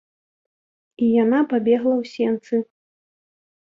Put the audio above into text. І яна пабегла ў сенцы.